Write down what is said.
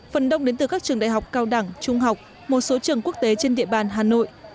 phần đông đến từ các trường đại học cao đẳng trung học một số trường quốc tế trên địa bàn hà nội